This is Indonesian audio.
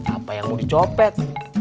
apa yang mau dicopet